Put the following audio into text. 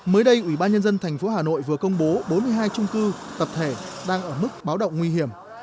mới đây ủy ban nhân dân tp hà nội vừa công bố bốn mươi hai trung cư tập thể đang ở mức báo động nguy hiểm